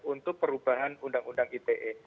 untuk perubahan undang undang ite